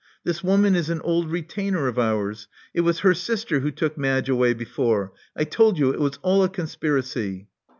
This woman is an old retainer of ours. It was her sister who took Madge away before. I told you it was all a conspiracy.